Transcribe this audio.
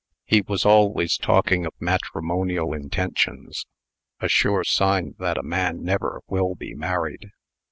He was always talking of matrimonial intentions a sure sign that a man never will be married.